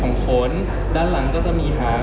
คุณต้องไปคุยกับทางเจ้าหน้าที่เขาหน่อย